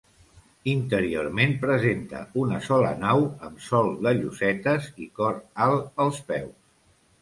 Interiorment presenta una sola nau amb sòl de llosetes i cor alt als peus.